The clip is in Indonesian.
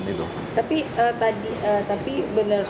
tapi tadi tapi benar